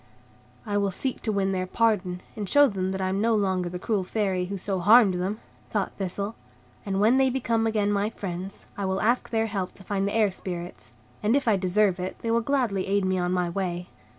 "I will seek to win their pardon, and show them that I am no longer the cruel Fairy who so harmed them," thought Thistle, "and when they become again my friends, I will ask their help to find the Air Spirits; and if I deserve it, they will gladly aid me on my way."